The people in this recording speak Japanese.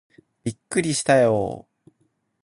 びっくりしたよー